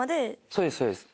そうですそうです